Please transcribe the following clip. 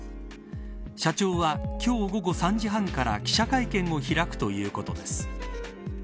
社長は、今日午後３時半から記者会見を開くということです。